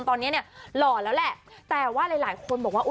ตอนนี้เนี่ยหล่อแล้วแหละแต่ว่าหลายหลายคนบอกว่าอุ๊